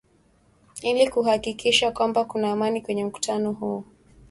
ili kuhakikisha kwamba kuna amani kwenye mkutano huo